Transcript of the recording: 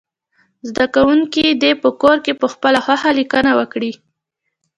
زده کوونکي دې په کور کې پخپله خوښه لیکنه وکړي.